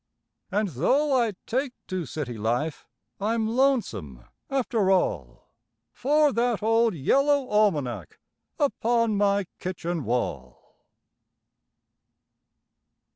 And though I take to city life, I'm lonesome after all For that old yellow almanac upon my kitchen wall.